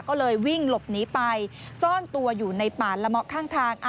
ก็เลยวิ่งหลบหนีไปซ่อนตัวอยู่ในป่าละเมาะข้างทาง